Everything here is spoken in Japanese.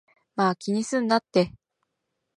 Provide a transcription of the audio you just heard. まぁ、気にすんなって